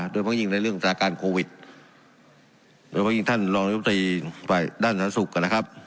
โดยเมื่อกี้ในเรื่องจากการโควิดโดยเมื่อกี้ท่านรองกลุ่มตรีไปด้านสาธารณสุขกันนะครับ